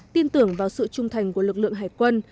tin tưởng vào sự trung thành của lực lượng hải quân